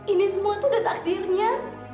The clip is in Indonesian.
ini semua tuh udah takdirnya